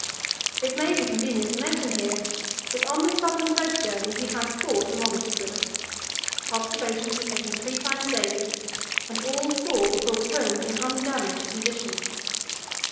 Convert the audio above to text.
It may be convenient to mention here that on the southern sledge journey we had four thermometers with us. Observations were taken three times daily, and all four were brought home in undamaged condition.